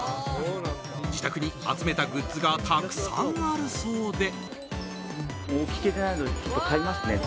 自宅に集めたグッズがたくさんあるそうで。